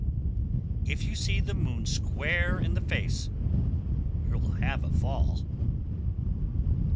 _ 1097. If you see the moon square in the face, you'll have a fall.